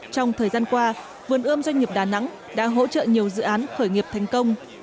trong thời gian qua vườn ươm doanh nghiệp đà nẵng đã hỗ trợ nhiều dự án khởi nghiệp thành công